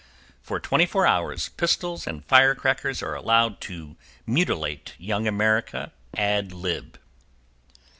For 24 hours, pistols and firecrackers are allowed to mutilate Young America ad lib.